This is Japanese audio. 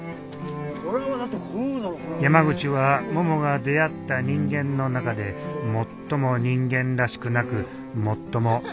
山口はももが出会った人間の中で最も人間らしくなく最も人間らしかった。